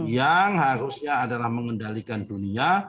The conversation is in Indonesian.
yang harusnya adalah mengendalikan dunia